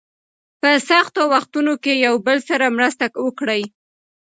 په سختو وختونو کې یو بل سره مرسته وکړئ.